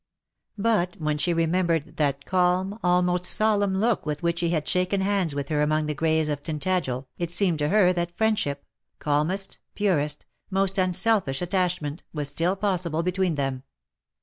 But when she remembered that calm, almost solemn look with w^hich he had shaken hands with her among the graves at Tintagel, it seemed to her that friendship — calmest, purest, most unselfish attachment — was still possible between them.